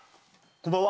こんばんは。